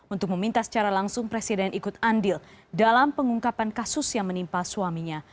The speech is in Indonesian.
untuk meminta secara langsung presiden ikut andil dalam pengungkapan kasus yang menimpa suaminya